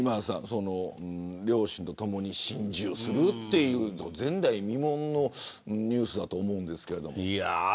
両親とともに心中するという前代未聞のニュースだと思います。